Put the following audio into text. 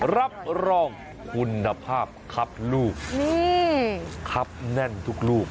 รับรองคุณภาพครับลูกนี่ครับแน่นทุกลูก